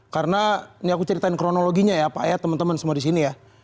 karena ini aku ceritain kronologinya ya pak ayat temen temen semua di sini ya